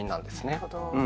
なるほど。